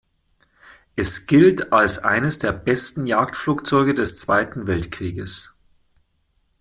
Es gilt als eines der besten Jagdflugzeuge des Zweiten Weltkrieges.